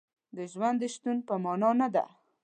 د ژوند د شتون په معنا نه دی.